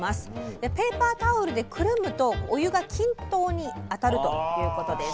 でペーパータオルでくるむとお湯が均等にあたるということです